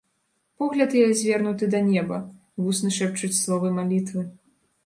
Погляд яе звернуты да неба, вусны шэпчуць словы малітвы.